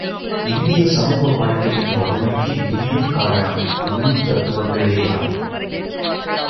இந்திய சமூக வாழ்க்கையின் வறுமைக்கு மிகுதியும் காரணம் ஊழ் தத்துவங்களேயாம்.